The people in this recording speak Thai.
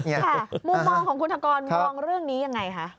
มุมมองของคุณธกรมองเรื่องนี้ยังไงคะ